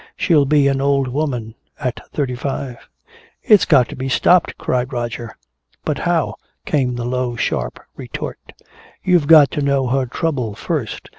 She'll be an old woman at thirty five." "It's got to be stopped!" cried Roger. "But how?" came the low sharp retort. "You've got to know her trouble first.